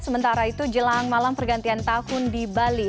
sementara itu jelang malam pergantian tahun di bali